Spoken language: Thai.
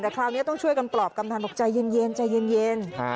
แต่คราวนี้ต้องช่วยกันปลอบกำนันบอกใจเย็นใจเย็น